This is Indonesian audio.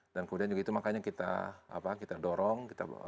dan kemudian juga itu makanya kita dorong